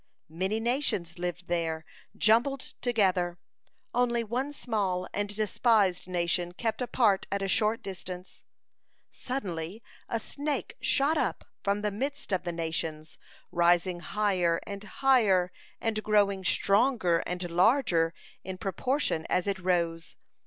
Many nations lived there jumbled together, only one small and despised nation kept apart at a short distance. Suddenly a snake shot up from the midst of the nations, rising higher and higher, and growing stronger and larger in proportion as it rose.